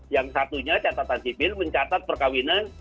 yang satunya catatan sipil mencatat perkawinan